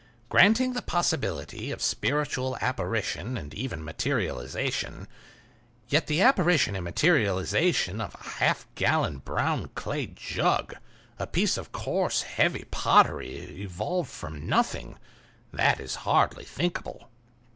"Granting the possibility of spiritual apparition and even materialization, yet the apparition and materialization of a half gallon brown clay jug—a piece of coarse, heavy pottery evolved from nothing—that is hardly thinkable."